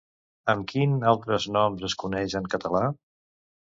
Amb quin altres noms es coneix en català?